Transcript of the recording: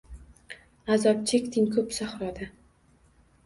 Azob chekding ko’p sahroda